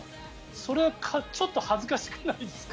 それ、ちょっと恥ずかしくないですか？